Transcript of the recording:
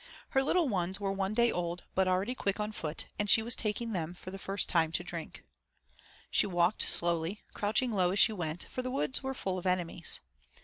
Her little ones were one day old but already quick on foot, and she was taking them for the first time to drink. She walked slowly, crouching low as she went, for the woods were full of enemies.